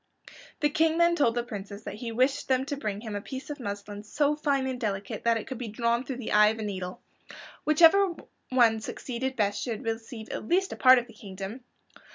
The King then told the princes that he wished them to bring him a piece of muslin so fine and delicate that it could be drawn through the eye of a needle. Whichever one succeeded best should receive at least a part of the kingdom.